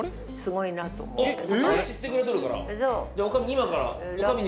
今から。